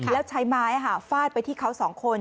แล้วใช้ไม้ฟาดไปที่เขาสองคน